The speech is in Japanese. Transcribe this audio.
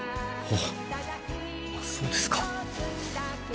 あそうですか？